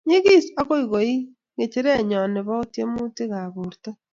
nyegis aku goii ng'echere nyo nebo tyemutikab borto